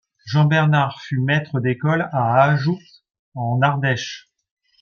Jean Bernard fut maitre d'école à Ajoux en Ardèche.